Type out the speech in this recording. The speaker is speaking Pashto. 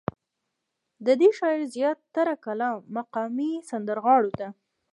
ددې شاعر زيات تره کلام مقامي سندرغاړو ته